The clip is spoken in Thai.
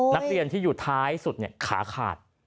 นักเรียนที่อยู่ท้ายสุดขาขาด